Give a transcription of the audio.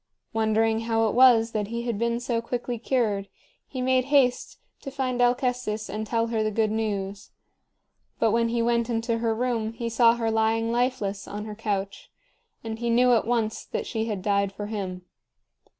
Wondering how it was that he had been so quickly cured, he made haste to find Alcestis and tell her the good news. But when he went into her room, he saw her lying lifeless on her couch, and he knew at once that she had died for him.